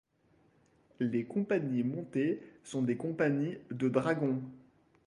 Les compagnies montées sont des compagnies de dragons.